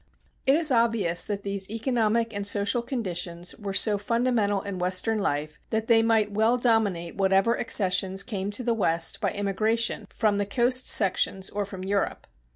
It is obvious that these economic and social conditions were so fundamental in Western life that they might well dominate whatever accessions came to the West by immigration from the coast sections or from Europe.